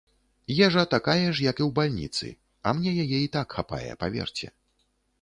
Ежа такая ж, як і ў бальніцы, а мне яе і так хапае, паверце.